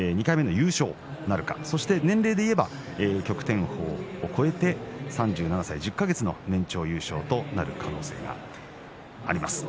１回目の優勝なるか年齢でいえば旭天鵬を超えて３７歳１０か月の年長優勝となる可能性があります。